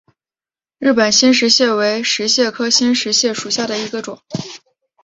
日本新石蟹为石蟹科新石蟹属下的一个种。